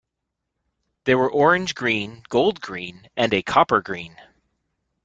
There were orange-green, gold-green, and a copper-green.